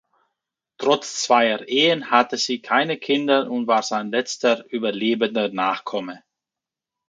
Trotz zweier Ehen hatte sie keine Kinder und war sein letzter überlebender Nachkomme.